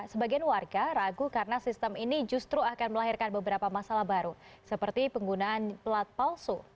sebagian warga ragu karena sistem ini justru akan melahirkan beberapa masalah baru seperti penggunaan plat palsu